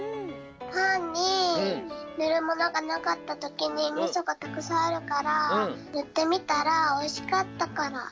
パンにぬるものがなかったときにみそがたくさんあるからぬってみたらおいしかったから。